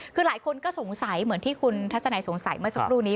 คือหลายคนก็สงสัยเหมือนที่คุณทัศนัยสงสัยเมื่อสักครู่นี้